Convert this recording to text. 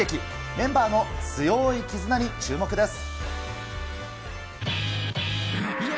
メンバーの強ーい絆に注目です。